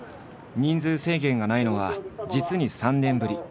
人数制限がないのは実に３年ぶり。